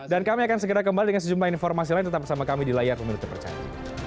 dan kami akan segera kembali dengan sejumlah informasi lain tetap bersama kami di layar pemilu terpercaya